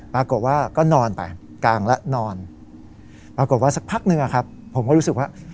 ปรากฏว่าก็นอนไปกลางแล้วนอนปรากฏว่าสักพักหนึ่งผมก็รู้สึกว่า